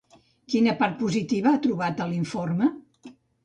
Quina part positiva ha trobat a l'informe?